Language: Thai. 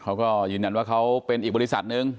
เขาก็ยืนยันว่าเขาเป็นอีกบริษัทหนึ่ง